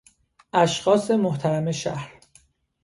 اشخاص محترم شهر